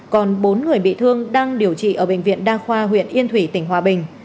còn bốn người bị thương đang điều trị ở bệnh viện đa khoa huyện yên thủy tỉnh hòa bình